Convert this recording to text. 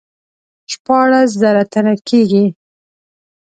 شپاړس زره تنه کیږي.